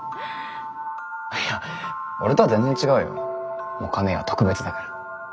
いや俺とは全然違うよ。もか姉は特別だから。